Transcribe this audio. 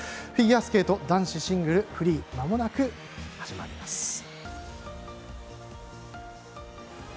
フィギュアスケート男子シングルフリーまもなく始まります。